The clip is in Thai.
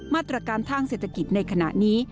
มาตรการทางเศรษฐกิจในขณะนี้